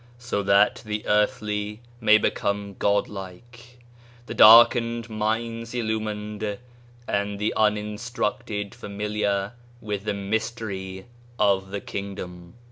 so that the earthly may become God like, the darkened minds illum ined, and the uninstructed familiar with the mystery of the Kingdom